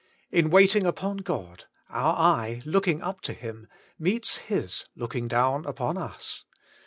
In waiting upon God, our eye, looking up to Him, meets His looking down upon us.